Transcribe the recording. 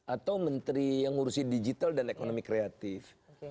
atau menteri yang ngurusi digital dan ekonomi kreatif